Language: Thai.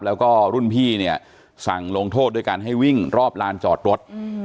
แล้วก็รุ่นพี่เนี่ยสั่งลงโทษด้วยการให้วิ่งรอบลานจอดรถ